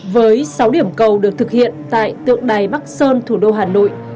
với sáu điểm cầu được thực hiện tại tượng đài bắc sơn thủ đô hà nội